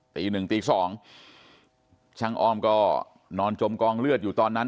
ตีหนึ่งตีสองช่างอ้อมก็นอนจมกองเลือดอยู่ตอนนั้น